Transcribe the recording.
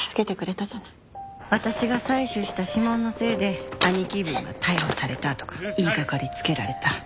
私が採取した指紋のせいで兄貴分が逮捕されたとか言い掛かりつけられたあの時。